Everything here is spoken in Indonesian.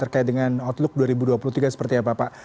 terkait dengan outlook dua ribu dua puluh tiga seperti apa pak